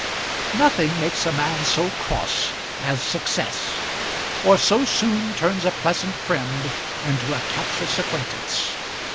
Nothing makes a man so cross as success, or so soon turns a pleasant friend into a captious acquaintance.